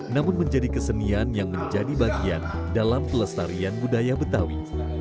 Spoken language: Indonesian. namun menjadi kesenian yang menjadi bagian dalam pelestarian budaya betawi